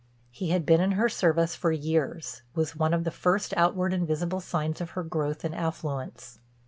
He had been in her service for years, was one of the first outward and visible signs of her growth in affluence.